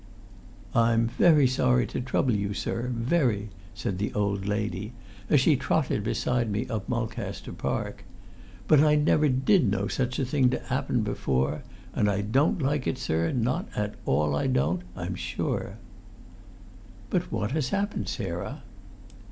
"I'm very sorry to trouble you, sir, very," said the old lady, as she trotted beside me up Mulcaster Park. "But I never did know such a thing to 'appen before, and I don't like it, sir, not at all I don't, I'm sure." "But what has happened, Sarah?"